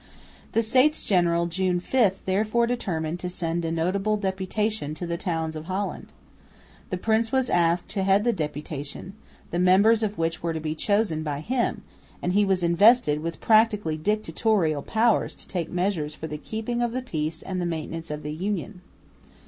The States General, June 5, therefore determined to send a "notable deputation" to the towns of Holland. The prince was asked to head the deputation, the members of which were to be chosen by him; and he was invested with practically dictatorial powers to take measures for the keeping of the peace and the maintenance of the Union.